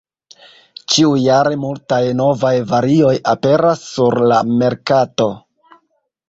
Ĉiujare multaj novaj varioj aperas sur la merkato.